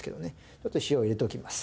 ちょっと塩を入れておきます。